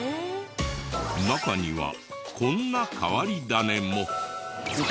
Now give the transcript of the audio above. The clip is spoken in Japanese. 中にはこんな変わり種も。